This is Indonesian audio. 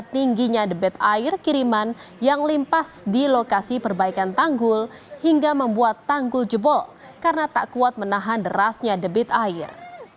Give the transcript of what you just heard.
tingginya debit air kiriman yang limpas di lokasi perbaikan tanggul hingga membuat tanggul jebol karena tak kuat menahan derasnya debit air